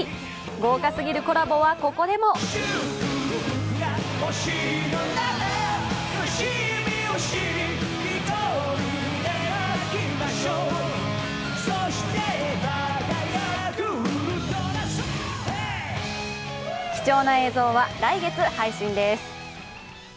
豪華すぎるコラボはここでも貴重な映像は来月配信です。